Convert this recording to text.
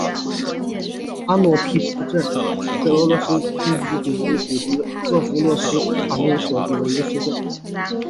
阿诺皮诺镇市镇是俄罗斯联邦弗拉基米尔州古西赫鲁斯塔利内区所属的一个市镇。